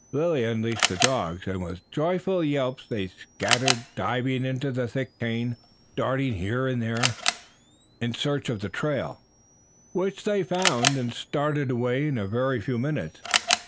Lilly unleashed the dogs, and with joyful yelps they scattered, diving into the thick cane, darting here and there, in search of the trail, which they found, and started away in a very few minutes.